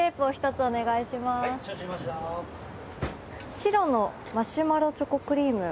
シロのマシュマロチョコクリーム。